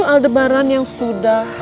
aldebaran yang sudah